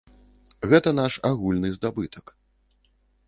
Гэта наш агульны здабытак.